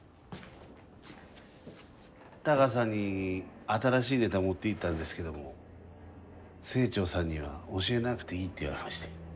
田川さんに新しいネタ持っていったんですけども清張さんには教えなくていいって言われまして。